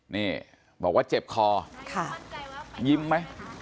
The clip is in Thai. นี่บอกว่าเจ็บคอยิ้มไหม